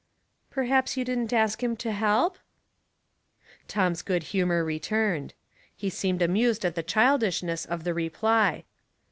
" Perhaps you didn't ask Him to help ?" Tom's good humor returned. He seemed amused at the childishness of the reply.